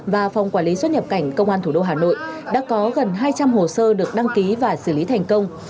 và phòng quản lý xuất nhập cảnh công an thủ đô hà nội đã có gần hai trăm linh hồ sơ được đăng ký và xử lý thành công